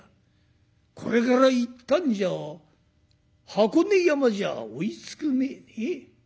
これから行ったんじゃ箱根山じゃ追いつくめえね。